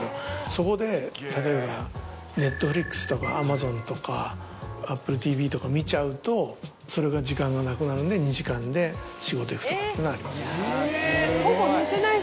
そこで例えばＮｅｔｆｌｉｘとかＡｍａｚｏｎとかＡｐｐｌｅＴＶとか見ちゃうとそれが時間がなくなるんで２時間で仕事行くとかっていうのはありますね。